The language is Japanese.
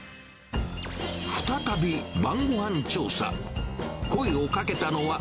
再び、晩ごはん調査。